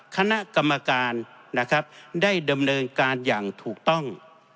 คณะกรรมการนะครับได้ดำเนินการอย่างถูกต้อง